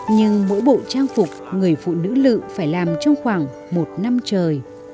nhưng mỗi bộ trang phục người phụ nữ lự phải làm trong khoảng một năm trời